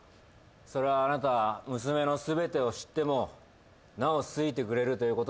それはあなた娘の全てを知ってもなお好いてくれるということですか？